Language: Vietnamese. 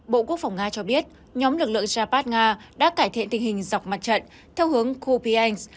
bộ quốc phòng nga cho biết nhóm lực lượng japad nga đã cải thiện tình hình dọc mặt trận theo hướng kopein